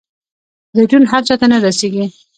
زیتون هر چاته نه رسیږي.